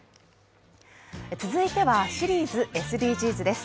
続いてはシリーズ「ＳＤＧｓ」です。